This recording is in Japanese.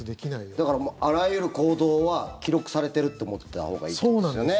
だからあらゆる行動は記録されてるって思ってたほうがいいってことですよね。